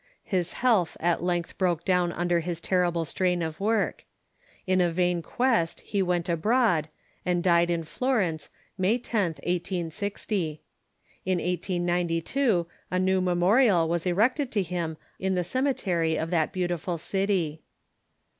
His health at length broke down under his terrible strain of work. In a vain quest he went abroad, and died in Florence, May 10th, 1860. In 1892 a new memorial was erected to him in the cemetery of that beautiful city.